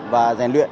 và rèn luyện